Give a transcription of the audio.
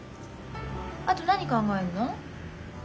あと何考えんの？